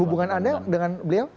hubungan anda dengan beliau